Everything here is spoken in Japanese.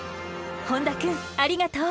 本多くんありがとう！